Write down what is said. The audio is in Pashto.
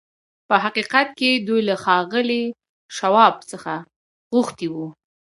په حقيقت کې دوی له ښاغلي شواب څخه غوښتي وو.